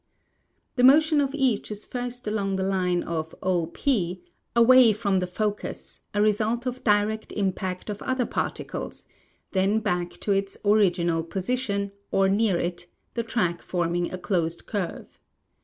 The motion of each is first along the line of 0 P, away from the focus, a result of direct imj)act of other particles, then back to its original i)osition, or near it. the track forming a closed curve.